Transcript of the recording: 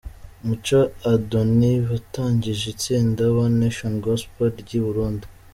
Muco Adonis watangije itsinda One Nation Gospel ry'i Burundi.